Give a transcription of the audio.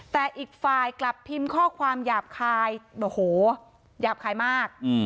แต่อีกฝ่ายกลับพิมพ์ข้อความหยาบคายโอ้โหหยาบคายมาก